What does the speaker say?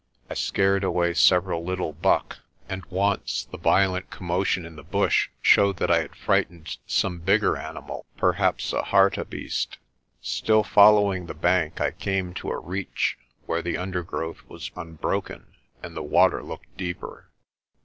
I scared away several little buck, and once the violent commotion in the bush showed that I had frightened some bigger animal, perhaps a harte beest. Still following the bank I came to a reach where the undergrowth was unbroken and the water looked deeper.